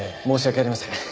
申し訳ありません。